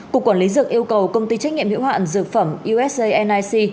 cục quản lý dược yêu cầu công ty trách nhiệm hiệu hạn dược phẩm usanic